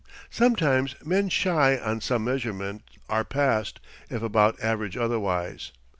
Sometimes men shy on some measurement are passed if above average otherwise.